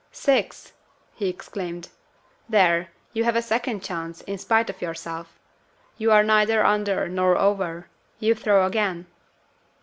"Six!" he exclaimed. "There! you have a second chance, in spite of yourself. You are neither under nor over you throw again."